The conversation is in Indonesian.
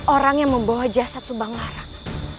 orang yang membawa jasad subanglarang